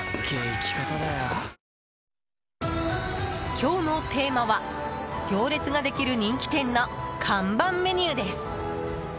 今日のテーマは、行列ができる人気店の看板メニューです。